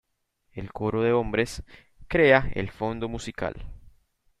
El coro de hombres crea el fondo musical.